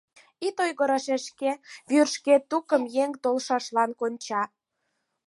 Ит ойгыро, шешке, вӱр шке тукым еҥ толшашлан конча.